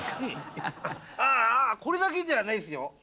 ああこれだけじゃないですよ